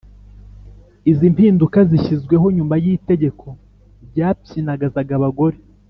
izi mpinduka zishyizweho nyuma y’itegeko ryapyinagazaga abagore